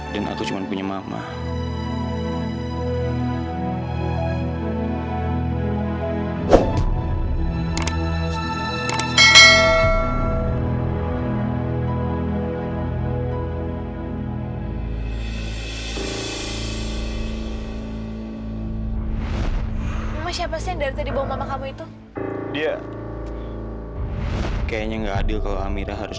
dan aku cuman punya mama mama siapa sendiri bawa kamu itu dia kayaknya nggak adil kalau amirah harus